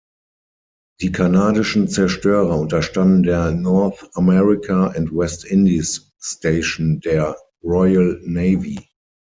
Die kanadischen Zerstörer unterstanden der „North America and West Indies Station“ der Royal Navy.